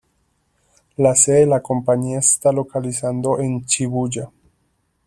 La sede de la compañía está localizando en Shibuya.